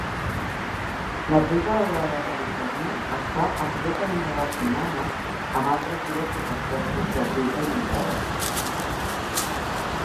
La truita daurada de Califòrnia està estretament relacionada amb altres dues subespècies de truita irisada.